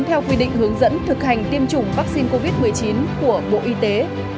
theo quy định hướng dẫn thực hành tiêm chủng vaccine covid một mươi chín của bộ y tế